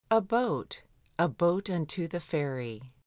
"A BOAT, A BOAT UNTO THE FERRY."